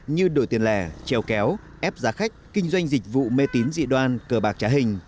như đổi tiền lẻ treo kéo ép giá khách kinh doanh dịch vụ mê tín dị đoan cờ bạc trá hình